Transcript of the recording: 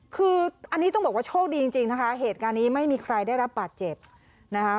คืออันนี้ต้องบอกว่าโชคดีจริงนะคะเหตุการณ์นี้ไม่มีใครได้รับบาดเจ็บนะคะ